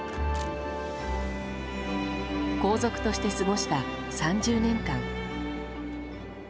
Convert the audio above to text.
皇族として過ごした３０年間。